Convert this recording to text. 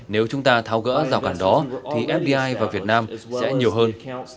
nếu chúng ta thao gỡ rào cản đó thì fdi vào việt nam sẽ nhiều hơn